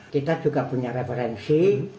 kita juga punya referensi